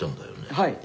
はい。